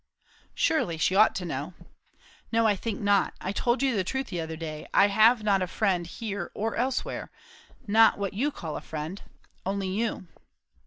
"Surely she ought to know." "No, I think not. I told you the truth the other day. I have not a friend, here or elsewhere. Not what you call a friend. Only you."